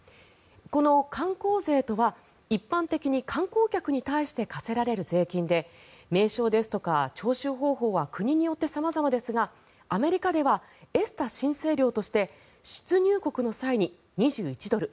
この観光税とは一般的に観光客に対して課せられる税金で名称ですとか徴収方法は国によって様々ですがアメリカではＥＳＴＡ申請料として出入国の際におよそ２１ドル